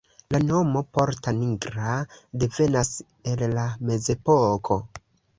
La nomo "Porta Nigra" devenas el la mezepoko.